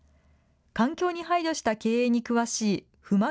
環境に配慮した経営に詳しい夫馬